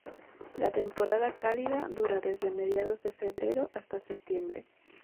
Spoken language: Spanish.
La temporada cálida dura desde mediados de febrero hasta septiembre.